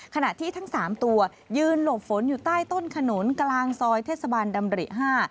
ขณะที่ทั้งสามตัวยืนหลบฝนอยู่ใต้ต้นขนุนกลางซอยเทศบาลดำริ๕